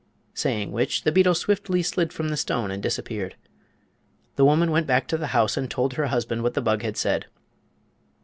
Saying which, the beetle swiftly slid from the stone and disappeared. The woman went back to the house and told her husband what the bug had said.